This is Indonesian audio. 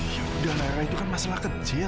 ya udah nara itu kan masalah kecil